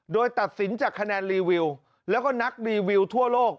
โดยตัดสินจากคะแนนรีวิวแล้วก็นักรีวิวทั่วโลก